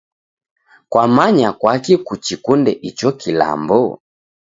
Kwamanya kwaki kuchikunde icho kilambo?